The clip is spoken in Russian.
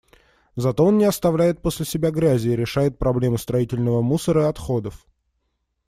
Зато он не оставляет после себя грязи и решает проблему строительного мусора и отходов.